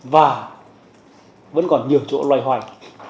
và vẫn còn nhiều chỗ loay hoay